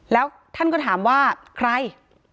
แล้วท่านก็ถามว่าใคร